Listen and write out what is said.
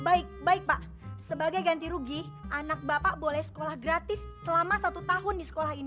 baik baik pak sebagai ganti rugi anak bapak boleh sekolah gratis selama satu tahun di sekolah ini